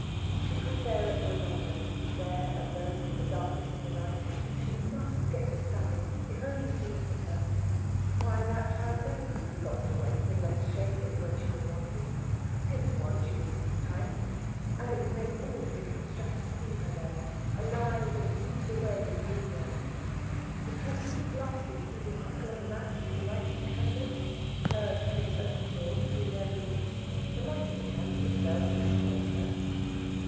She could bear it no longer, there alone in the darkness of the night. She must get at Sally, if only to look at her. Why, that child never could be got to wake unless shaken when she was wanted. Ten to one she wouldn't this time. And it would make all the difference just to see her there, alive and leagues away in dreamland. If her sleep lasted through the crackle of a match to light her candle, heard through the open door between their rooms, the light of the candle itself wouldn't wake her.